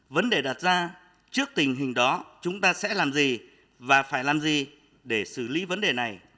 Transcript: vấn đề đặt ra trước tình hình đó chúng ta sẽ làm gì và phải làm gì để xử lý vấn đề này